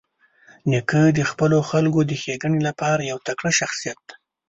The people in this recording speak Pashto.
نیکه د خپلو خلکو د ښېګڼې لپاره یو تکړه شخصیت دی.